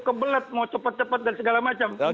kebelet mau cepet cepet dan segala macam